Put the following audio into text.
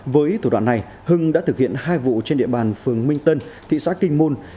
với thủ đoạn này hưng đã thực hiện hai vụ trên địa bàn phường minh tân thị xã kinh môn